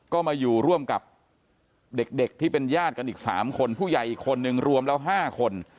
ก็มาอยู่ร่วมกับเด็กที่เป็นญาติกันอีก๓คนผู้ใหญ่อีกคนนึงรวมแล้ว๕คน